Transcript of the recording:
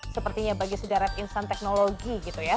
sepertinya bagi sederet insan teknologi gitu ya